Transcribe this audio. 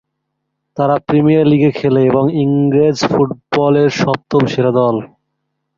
তারা প্রিমিয়ার লীগে খেলে এবং ইংরেজ ফুটবলের সপ্তম সেরা দল।